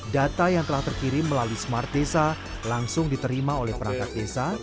data yang telah terkirim melalui smart desa langsung diterima oleh perangkat desa